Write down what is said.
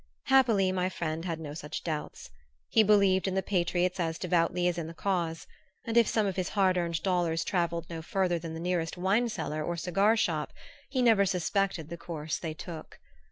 Happily my friend had no such doubts. He believed in the patriots as devoutly as in the cause; and if some of his hard earned dollars travelled no farther than the nearest wine cellar or cigar shop, he never suspected the course they took.